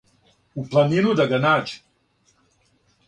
У планину да га нађе,